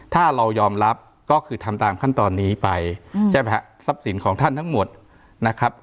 ถ้าเรายอมรับก็คือทำตามขั้นตอนนี้ไปใช่ไหมฮะทรัพย์สินของท่านทั้งหมดนะครับ